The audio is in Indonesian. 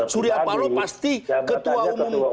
suryapalo pasti ketua umum